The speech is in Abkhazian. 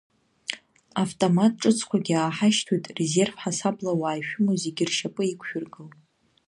Автомат ҿыцқәагьы ааҳашьҭуеит, резерв ҳасабла ауаа ишәымоу зегьы ршьапы иқәшәыргыл.